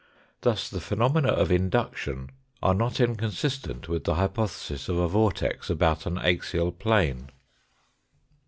Thus the phenomena of induction are not inconsistent with the hypothesis of a vortex about an axial plane.